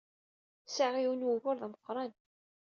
Sɛiɣ yiwen n wugur d ameqran.